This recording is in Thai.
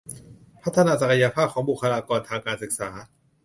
พัฒนาศักยภาพของบุคลากรทางการศึกษา